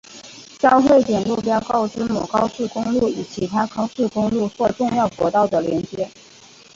交汇点路标告知某高速公路与其他高速公路或重要国道的连接。